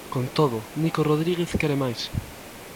Con todo, Nico Rodríguez quere máis.